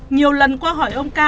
nhiều lần qua hỏi ông ca